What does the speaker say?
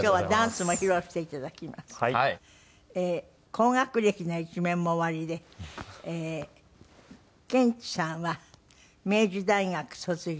高学歴な一面もおありでケンチさんは明治大学卒業。